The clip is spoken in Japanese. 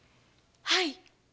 はい。